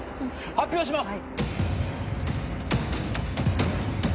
発表します！